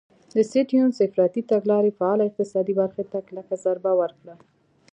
د سټیونز افراطي تګلارې فعاله اقتصادي برخه ته کلکه ضربه ورکړه.